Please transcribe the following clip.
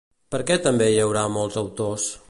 Per què també hi haurà molts autors?